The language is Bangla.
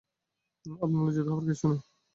আপনার লজ্জিত হবার কিছুই নেই।